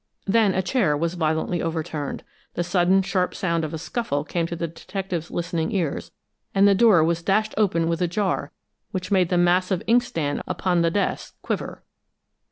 Then a chair was violently overturned; the sudden sharp sound of a scuffle came to the detective's listening ears; and the door was dashed open with a jar which made the massive inkstand upon the desk quiver.